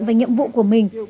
và nhiệm vụ của mình